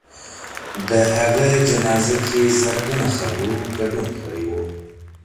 د هغه جنازه کې زرګونو خلکو ګډون کړی و.